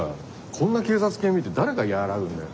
こんな警察犬見て誰が和らぐんだよ。